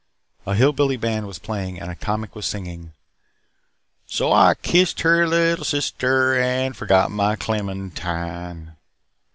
A hill billy band was playing, and a comic was singing: "So I kissed her little sister and forgot my Clementine."